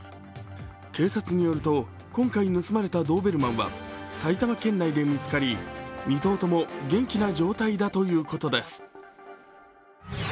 警察によると、今回盗まれたドーベルマンは埼玉県内で見つかり２頭とも元気な状態だということです。